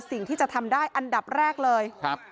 สิ่งที่จะทำได้อันดับแรกเลยครับ